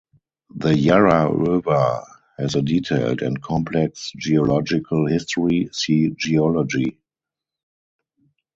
The Yarra River has a detailed and complex geological history, see "Geology".